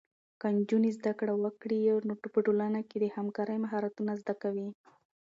که نجونې زده کړه وکړي، نو په ټولنه کې د همکارۍ مهارتونه زده کوي.